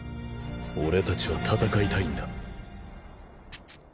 俺たちは戦いたいんだ。